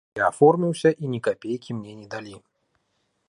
Я аформіўся, і ні капейкі мне не далі.